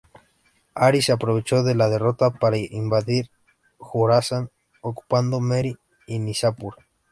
Aziz se aprovechó de la derrota para invadir Jorasán, ocupando Merv y Nishapur.